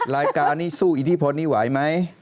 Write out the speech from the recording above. รายการนี้สู้อิทธิพลนี้ไหวไหม